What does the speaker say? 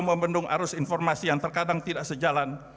membendung arus informasi yang terkadang tidak sejalan